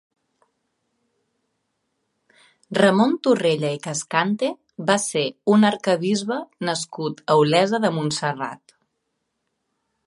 Ramon Torrella i Cascante va ser un arquebisbe nascut a Olesa de Montserrat.